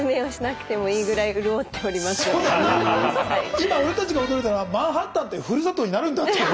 今俺たちが驚いたのはマンハッタンってふるさとになるんだっていうね。